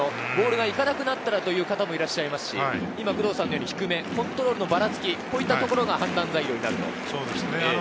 ボールが行かなくなったらという方もいますし、工藤さんのように低め、コントロールのばらつき、こういったところが判断材料になると。